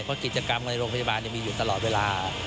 เพราะกิจกรรมในโรงพยาบาลยังมีอยู่ตลอดเวลา